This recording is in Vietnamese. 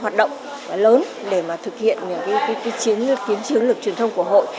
hoạt động lớn để mà thực hiện những cái chiến lược chiến lược truyền thông của hội